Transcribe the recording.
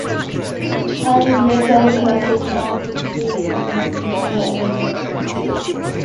Early metal cleats are attached to verandah posts (for blinds now removed).